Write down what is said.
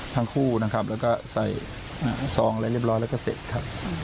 ส่องอะไรเรียบร้อยแล้วก็เสร็จนะครับ